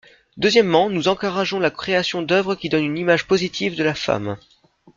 Deuxièmement, nous encourageons la création d’œuvres qui donnent une image positive de la femme.